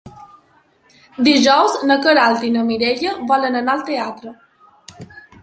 Dijous na Queralt i na Mireia volen anar al teatre.